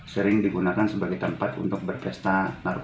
sering digunakan sebagai tempat untuk berpesta narkoba jenis sabu